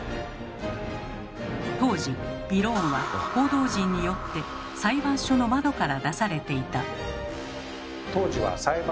当時びろーんは報道陣によって裁判所の窓から出されていた。